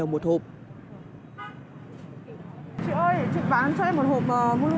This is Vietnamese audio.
vâng một hộp này ạ